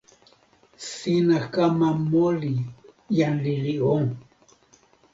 sina kama moli, jan lili o!